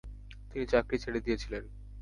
তিনি চাকরি ছেড়ে দিয়েছিলেন।